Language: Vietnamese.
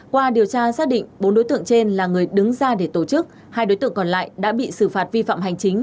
qua điều tra xác định bốn đối tượng trên là người đứng ra để tổ chức hai đối tượng còn lại đã bị xử phạt vi phạm hành chính